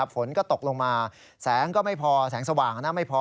ฝนก็ตกลงมาแสงก็ไม่พอแสงสว่างไม่พอ